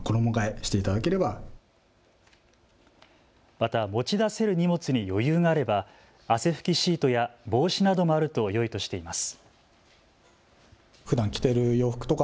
また持ち出せる荷物に余裕があれば汗拭きシートや帽子などもあるとよいとしています。